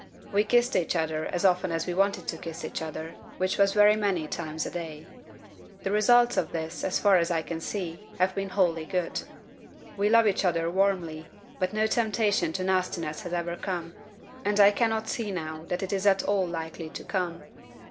We kissed each other as often as we wanted to kiss each other, which was very many times a day. "The results of this, so far as I can see, have been wholly good. We love each other warmly, but no temptation to nastiness has ever come, and I cannot see now that it is at all likely to come.